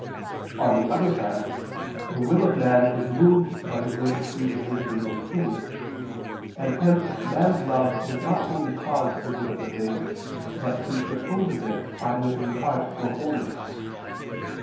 On the other hand, the will of man is moved by the good pre existing in things; and hence man's love does not wholly cause the good of the thing, but pre supposes it either in part or wholly.